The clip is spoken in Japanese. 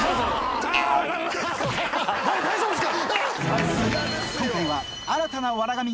大丈夫っすか⁉